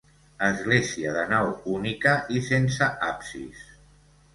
Església de nau única i sense absis.